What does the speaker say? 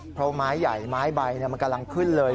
เพราะไม้ใหญ่ไม้ใบมันกำลังขึ้นเลย